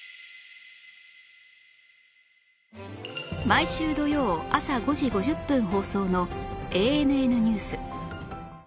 毎週土曜朝５時５０分放送の『ＡＮＮ ニュース』